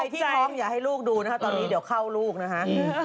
ที่ท้องอย่าให้ลูกดูนะคะตอนนี้เดี๋ยวเข้าลูกนะฮะ